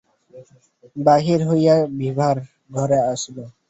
বাহির হইয়া বিভার ঘরে আসিল।